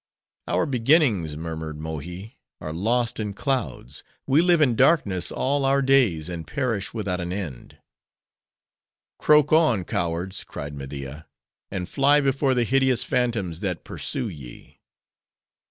"Our beginnings," murmured Mohi, "are lost in clouds; we live in darkness all our days, and perish without an end." "Croak on, cowards!" cried Media, "and fly before the hideous phantoms that pursue ye."